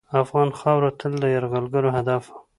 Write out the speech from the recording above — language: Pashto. افغان خاوره تل د یرغلګرو هدف وه.